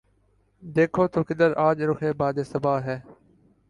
دیکھو تو کدھر آج رخ باد صبا ہے